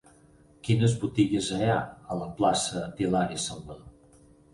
Quines botigues hi ha a la plaça d'Hilari Salvadó?